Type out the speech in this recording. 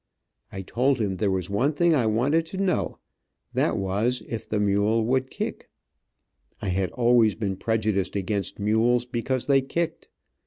I told him there was one thing I wanted to know, and that was if the mule would kick. I had always been prejudiced against mules because they kicked.